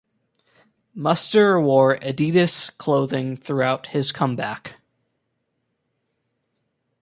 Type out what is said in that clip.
Muster wore Adidas clothing throughout his comeback.